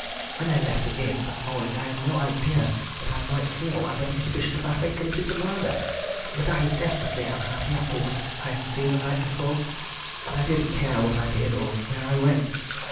When I left the inn that morning I had no idea that I might fall under suspicion for having committed the murder, but I was desperately unhappy after what I had seen the night before, and I didn't care what I did or where I went.